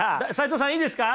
齋藤さんいいですか？